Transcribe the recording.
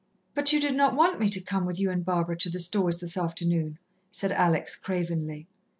"But you did not want me to come with you and Barbara to the Stores this afternoon," said Alex cravenly.